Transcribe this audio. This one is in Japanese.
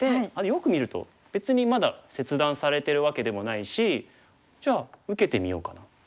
よく見ると別にまだ切断されてるわけでもないしじゃあ受けてみようかな。